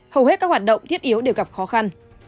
hầu hết các hoạt động thiết yếu đều gặp khó khăn